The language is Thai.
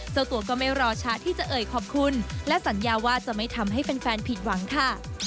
เจ้าตัวก็ไม่รอช้าที่จะเอ่ยขอบคุณและสัญญาว่าจะไม่ทำให้แฟนผิดหวังค่ะ